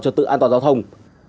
trật tự an toàn giao thông